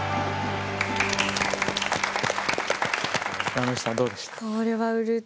山之内さんどうでした？